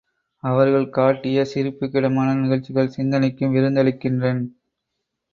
அவர்கள் காட்டிய சிரிப்புக்கிடமான நிகழ்ச்சிகள் சிந்தனைக்கும் விருந்தளிக்கின்றன்.